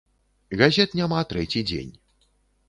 Газет няма трэці дзень.